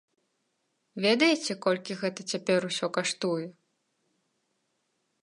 Ведаеце, колькі гэта цяпер усё каштуе?